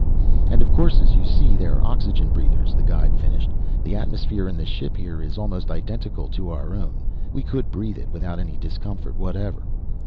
" And of course, as you see, they're oxygen breathers," the guide finished. "The atmosphere in the ship here is almost identical to our own we could breathe it without any discomfort whatever."